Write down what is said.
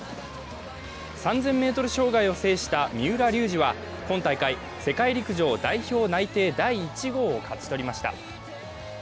３０００ｍ障害を制した三浦龍司は今大会世界陸上代表内定第１号を勝ち取りました。